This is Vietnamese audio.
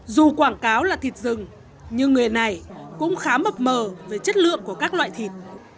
dù quảng cáo là thịt rừng nhưng người này cũng khá mập mờ về chất lượng của các loại thịt